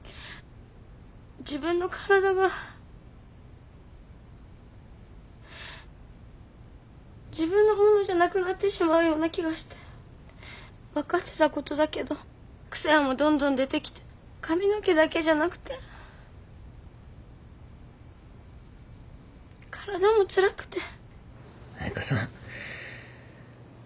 自分の体が自分のものじゃなくなってしまうような気がして分かってたことだけど副作用もどんどん出てきて髪の毛だけじゃなくて体もつらくて彩佳さん。